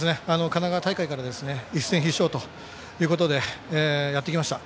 神奈川大会から一戦必勝ということでやってきました。